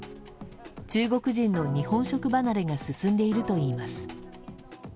中国人の日本食離れが進んでいるといいます。